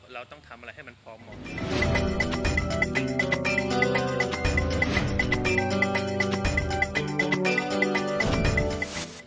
เราต้องทำอะไรให้มันพอเหมาะ